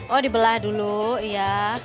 oh di belah dulu iya